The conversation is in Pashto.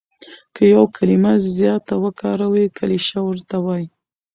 که یو کلیمه زیاته وکاروې کلیشه ورته وايي.